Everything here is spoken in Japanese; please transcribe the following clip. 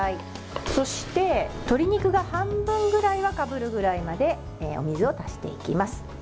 そして、鶏肉が半分ぐらいはかぶるぐらいまでお水を足していきます。